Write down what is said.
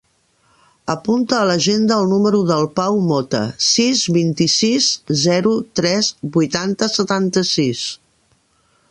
Apunta a l'agenda el número del Pau Mota: sis, vint-i-sis, zero, tres, vuitanta, setanta-sis.